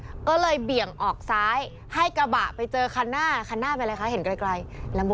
ก็เลยเปี่ยงออกซ้ายให้กระบะไปเจอคันหน้า